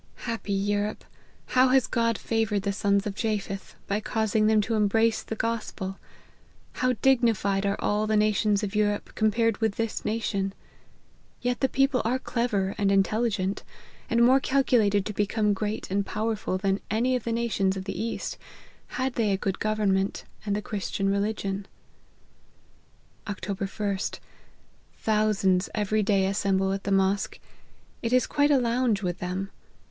Happy Europe ! how has God favoured the sons of Japheth, by causing them to embrace the gospel ! How dignified are all the nations of Europe compared with this nation ! Yet the people are clever and intelligent, and more calculated to become great and powerful O 158 LIFE OF HENRY MARTYN, than any of the nations of the east, had they a good government, and the Christian religion." " Oct. ls. Thousands every day assemble at the mosque ; it is quite a lounge with them.